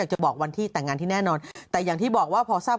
จะบอกวันที่แต่งงานที่แน่นอนแต่อย่างที่บอกว่าพอทราบ